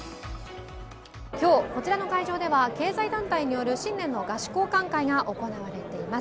今日、こちらの会場では経済団体による新年の賀詞交歓会が行われています。